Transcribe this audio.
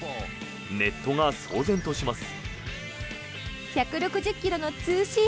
ネットが騒然とします。